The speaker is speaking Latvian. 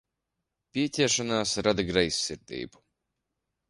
Pieķeršanās rada greizsirdību.